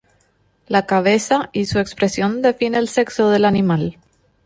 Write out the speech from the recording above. La cabeza y su expresión define el sexo del animal.